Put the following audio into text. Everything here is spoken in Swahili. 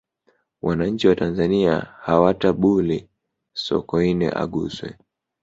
wananchi wa tanzania hawatabuli sokoine aguswe